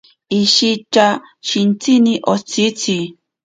Ishitya shintsini otsitzi.